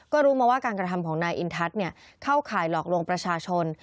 ก็รู้มาว่าการกระทำของนายอินทัศน์เข้าข่ายหลอกลวงประชาชน